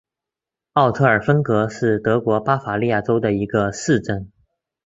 奥特尔芬格是德国巴伐利亚州的一个市镇。